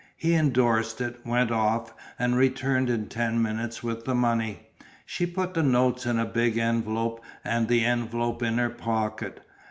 He endorsed it, went off and returned in ten minutes with the money. She put the notes in a big envelope and the envelope in her pocket.